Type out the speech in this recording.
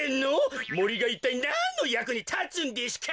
もりがいったいなんのやくにたつんデシュか！